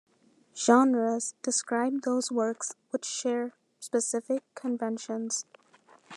Genres describe those works which share specific conventions.